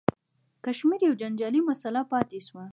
کشمیر یوه جنجالي مسله پاتې شوه.